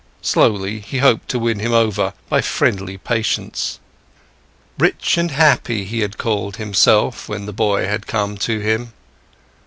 Slowly, he hoped to win him over, by friendly patience. Rich and happy, he had called himself, when the boy had come to him.